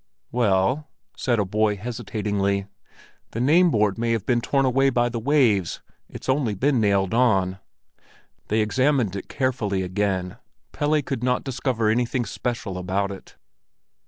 "Well," said a boy hesitatingly, "the name board may have been torn away by the waves; it's only been nailed on." They examined it carefully again; Pelle could not discover anything special about it.